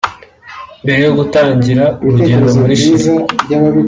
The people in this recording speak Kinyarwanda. Mbere yo gutangira urugendo muri Chili